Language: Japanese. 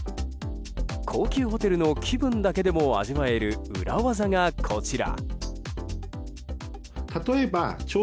高級ホテルの気分だけでも味わえる裏技がこちら。